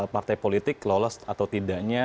partai politik kemudian lolos pt dong ya